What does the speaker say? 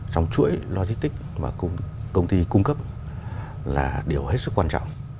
trong chuỗi logistics mà công ty cung cấp là điều hết sức quan trọng